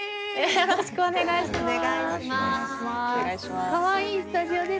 よろしくお願いします。